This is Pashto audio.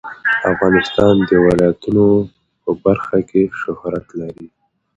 افغانستان د ولایتونو په برخه کې شهرت لري.